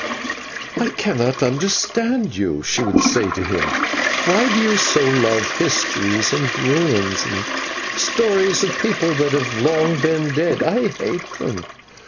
"I cannot understand you," she would say to him; "why do you so love histories and ruins and stories of people that have long been dead? I hate them.